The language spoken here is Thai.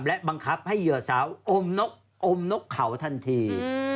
และบังคับให้เหยื่อสาวอมนกเขาทันที